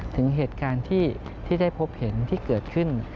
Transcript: ถึงเหตุการณ์ที่ได้พบเห็นที่เกิดขึ้น